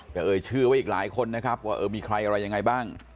แต่เอ่ยชื่อไว้อีกหลายคนนะครับว่าเออมีใครอะไรยังไงบ้าง